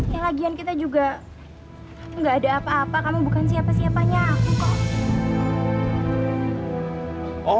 yang lagian kita juga gak ada apa apa kamu bukan siapa siapanya aku kok